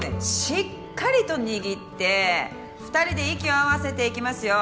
しっかりと握って二人で息を合わせていきますよ